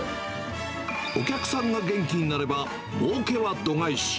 お客さんが元気になればもうけは度外視。